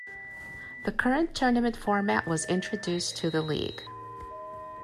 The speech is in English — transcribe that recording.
The current tournament format was introduced to the league.